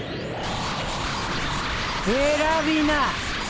選びな。